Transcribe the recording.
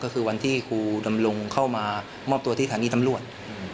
ก็คือวันที่ครูดำรงเข้ามามอบตัวที่สถานีตำรวจ